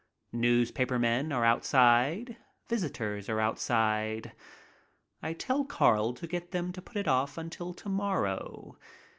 Newspaper men are outside, visitors are outside. I tell Carl to get them to put it off until to morrow.